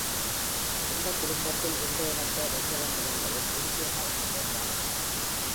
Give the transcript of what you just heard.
எந்த குடும்பத்தில் எந்த இனத்தை வைக்க வேண்டும் என்பதில் எஞ்சிய கருத்து வேறுபாடு உள்ளது.